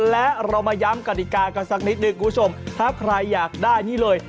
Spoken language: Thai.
และเรามาย้ำกฎิกากันสักนิดหนึ่งคุณผู้ชมถ้าใครอยากได้นี่เลย